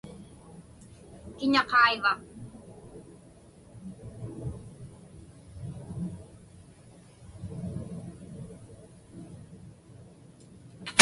Kiña qaiva?